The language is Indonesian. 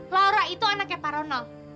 flora itu anaknya pak ronald